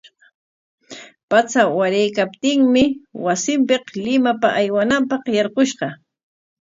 Patsa waraykaptinmi wasinpik Limapa aywananpaq yarqushqa.